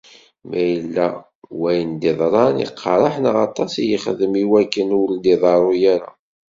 Ladɣa ma yella wayen d-iḍran iqeṛṛeḥ neɣ aṭas i yexdem i wakken ur d-iḍeṛṛu ara.